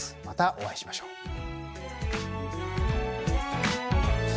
またお会いしましょう。